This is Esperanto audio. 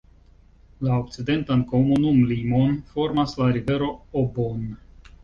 La okcidentan komunumlimon formas la rivero Aubonne.